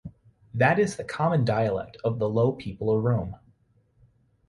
That is the common dialect of the low people of Rome.